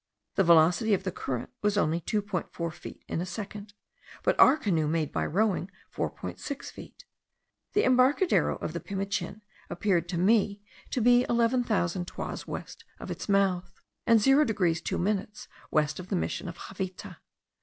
The velocity of the current was only 2.4 feet in a second; but our canoe made by rowing 4.6 feet. The embarcadero of the Pimichin appeared to me to be eleven thousand toises west of its mouth, and 0 degrees 2 minutes west of the mission of Javita.